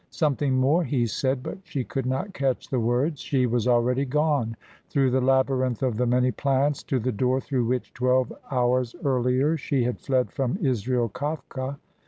Something more he said, but she could not catch the words. She was already gone, through the labyrinth of the many plants, to the door through which twelve hours earlier she had fled from Israel Kafka.